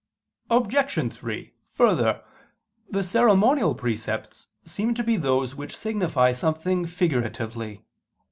Obj. 3: Further, the ceremonial precepts seem to be those which signify something figuratively.